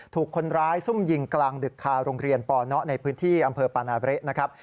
ถูกคนร้ายซุ่มยิงกลางดึกคาโรงเรียนปนในพื้นที่อำเภอปานาเละนะครับ